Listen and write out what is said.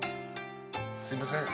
すいません